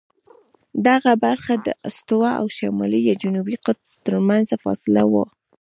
دغه برخه د استوا او شمالي یا جنوبي قطب ترمنځ فاصله وه.